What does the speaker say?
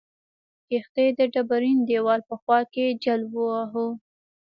کښتۍ د ډبرین دیوال په خوا کې جل واهه.